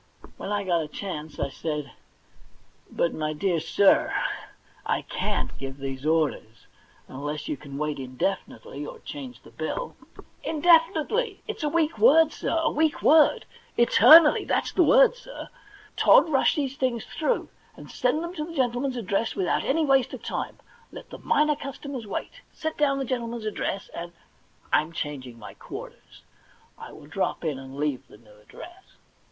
When I got a chance I said : 'But, my dear sir, I can't give these orders, unless you can wait indefinitely, or change the bill.' * Indefinitely ! It's a weak word, sir, a weak word. Eternally— i/mi's the word, sir. Tod, rush these things through, and send them to the gentle man's address without any waste of time. Let the minor customers wait. Set down the gentleman's address and I'm changing my quarters. I will drop in and leave the new address.'